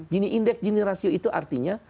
gini indeks gini rasio itu artinya